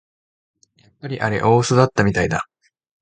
やっぱりあれ大うそだったみたいだ